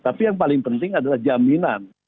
tapi yang paling penting adalah jaminan